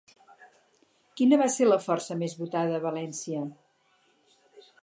Quina va ser la força més votada a València?